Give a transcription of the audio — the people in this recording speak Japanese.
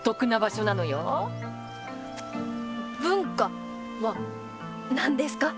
文化は何ですか？